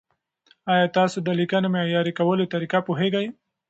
ایا تاسو د لیکنې معیاري کولو طریقه پوهېږئ؟